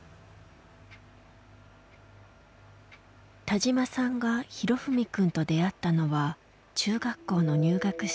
田嶋さんが裕史くんと出会ったのは中学校の入学式。